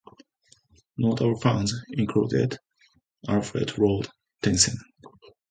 Notable fans included Alfred Lord Tennyson.